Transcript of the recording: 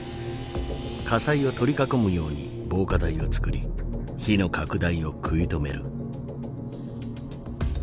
火災を取り囲むように防火帯を作り火の拡大を食い止める。